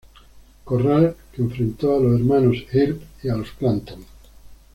Corral, que enfrentó a los hermanos Earp y a los Clanton.